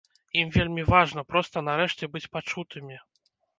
Ім вельмі важна проста нарэшце быць пачутымі.